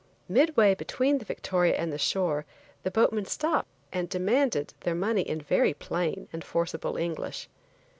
Midway between the Victoria and the shore the boatmen stopped and demanded their money in very plain and forcible English.